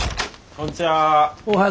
こんちは。